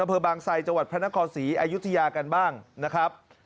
อำเภอบางไซจังหวัดพระนครศรีอายุทยากันบ้างนะครับ